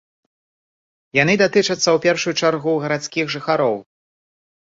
Яны датычацца ў першую чаргу гарадскіх жыхароў.